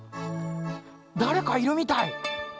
だれかいるみたい。